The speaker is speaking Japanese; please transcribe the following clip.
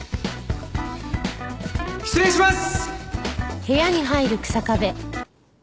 失礼します！